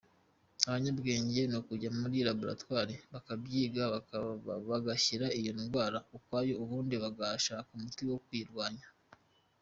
Abanyabwenge nukujya muri laboratwari bakabyiga bakagashyira iyo ndwara ukwayo ubundi hagashakwa umuti wo kuyirwanya.